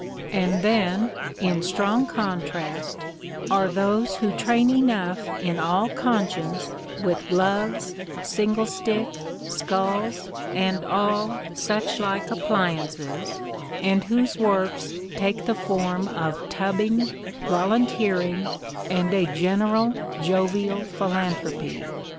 And then, in strong contrast, are those who train enough in all conscience with 'gloves,' single stick, sculls, and all suchlike appliances, and whose works take the form of tubbing, volunteering, and a general jovial philanthropy.